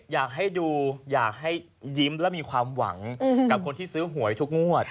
อยากให้ดูอยากให้ยิ้มและมีความหวังกับคนที่ซื้อหวยทุกงวด